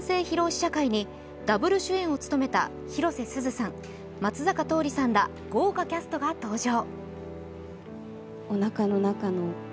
試写会にダブル主演を務めた広瀬すずさん、松坂桃李さんら豪華キャストが登場。